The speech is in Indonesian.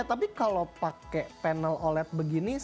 eh tapi kalau pakai panel oled begitu ya